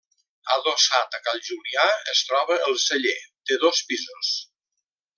Adossat a Cal Julià es troba el celler, de dos pisos.